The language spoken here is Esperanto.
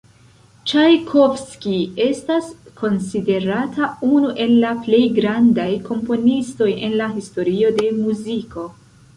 Ĉajkovskij estas konsiderata unu el plej grandaj komponistoj en la historio de muziko.